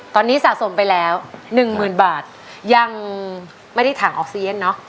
ตอนนี้สะสมไปแล้วหนึ่งหมื่นบาทยังไม่ได้ถังออกซีเอ็นต์เนอะ